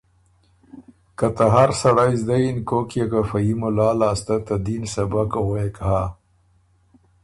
که ته هر سړئ زدۀ یِن کوک يې که فۀ يي مُلا لاسته ته دین سبق غوېک هۀ۔